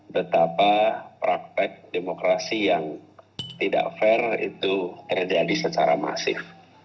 betapa praktek demokrasi yang tidak fair itu terjadi secara masif